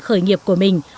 khởi nghiệp của mình